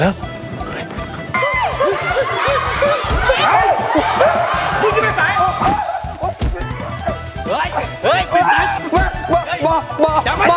ลูกหมา